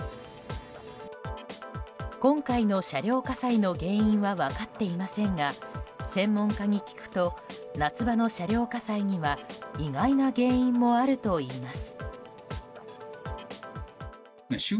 今回の車両火災の原因は分かっていませんが専門家に聞くと夏場の車両火災には意外な原因もあるといいます。